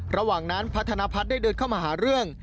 ระหว่างนั้นพัฒนพัฒน์ได้เดินเข้ามาหาเรื่อง